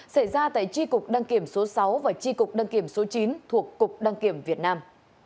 xảy ra tại tri cục đăng kiểm số sáu và tri cục đăng kiểm số chín thuộc cục đăng kiểm việt nam